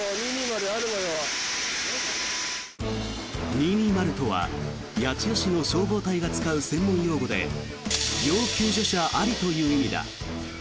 ２２０とは八千代市の消防隊が使う専門用語で要救助者ありという意味だ。